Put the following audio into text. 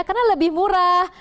karena lebih murah